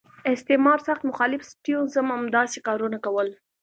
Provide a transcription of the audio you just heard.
استعمار سخت مخالف سټیونز هم همداسې کارونه کول.